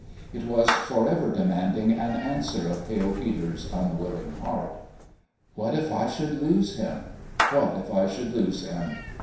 It was forever demanding an answer of Pale Peter's unwilling heart. What if I should lose him ? What if I should lose him